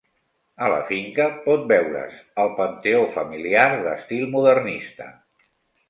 A la finca pot veure's el panteó familiar d'estil modernista.